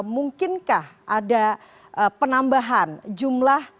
mungkinkah ada penambahan jumlah